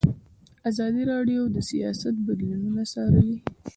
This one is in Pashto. ازادي راډیو د سیاست بدلونونه څارلي.